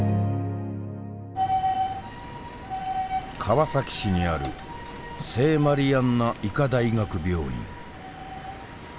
川崎市にある聖マリアンナ医科大学病院。